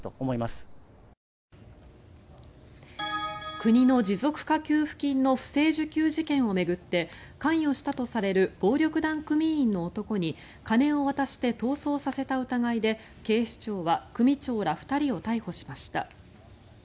国の持続化給付金の不正受給事件を巡って関与したとされる暴力団組員の男に金を渡して逃走させた疑いで警視庁は組長ら２人を逮捕しました。